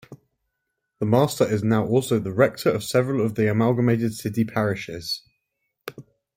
The Master is now also the rector of several of the amalgamated city parishes.